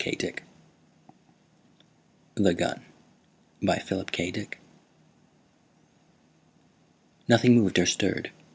net THE GUN By PHILIP K. DICK _Nothing moved or stirred.